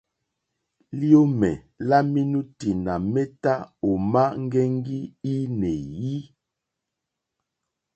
Liomè la menuti nà meta òma ŋgɛŋgi inèi.